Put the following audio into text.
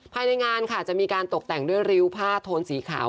ภายในงานค่ะจะมีการตกแต่งด้วยริ้วผ้าโทนสีขาว